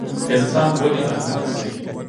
انسان ولۍ احمق سي؟